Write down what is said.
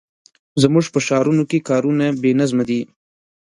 زموږ په ښارونو کې کارونه بې نظمه دي.